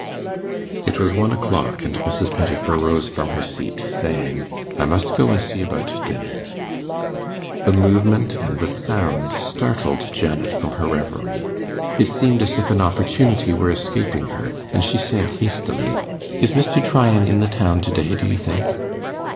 It was one o'clock, and Mrs. Pettifer rose from her seat, saying, 'I must go and see about dinner.' The movement and the sound startled Janet from her reverie. It seemed as if an opportunity were escaping her, and she said hastily, 'Is Mr. Tryan in the town to day, do you think?